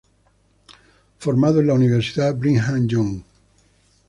Formado en la Universidad Brigham Young.